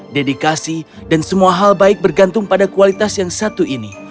dedikasi dan semua hal baik bergantung pada kualitas yang satu ini